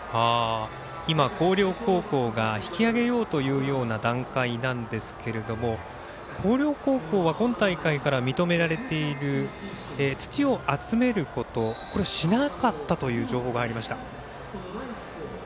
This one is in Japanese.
広陵高校が引き揚げようという段階なんですが広陵高校は今大会から認められている土を集めることをしなかったという情報が入りました。